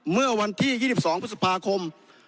เมื่อวันที่๒๒พฤษภาคม